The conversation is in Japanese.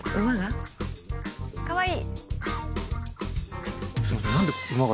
かわいい！